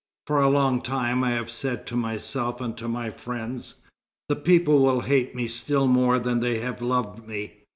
For a long time I have said to myself and to my friends: The people will hate me still more than they have loved me.